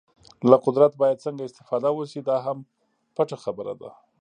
له قدرته باید څنګه استفاده وشي دا هم پټه خبره ده.